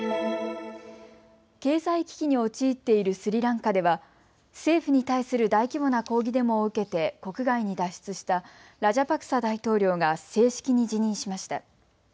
経済危機に陥っているスリランカでは政府に対する大規模な抗議デモを受けて国外に脱出したラジャパクサ大統領が正式に辞任しました。